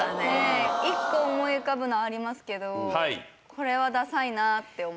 １個思い浮かぶのありますけどこれはダサいなあって思いますね。